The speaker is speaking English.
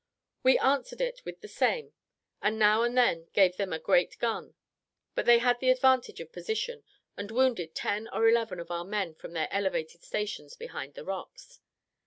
We answered it with the same; and now and then gave them a great gun; but they had the advantage of position, and wounded ten or eleven of our men from their elevated stations behind the rocks.